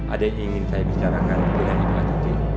ada yang ingin saya bicarakan tentang ibu astuti